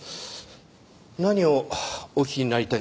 何をお聞きになりたいんですか？